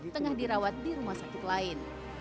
tengah dirawat di rumah sakit lain